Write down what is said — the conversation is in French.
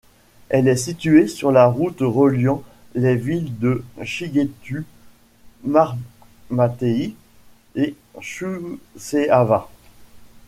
Elle est située sur la route reliant les villes de Sighetu Marmației et Suceava.